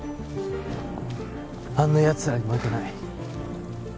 あんな奴らに負けない。